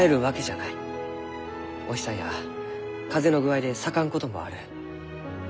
お日さんや風の具合で咲かんこともある。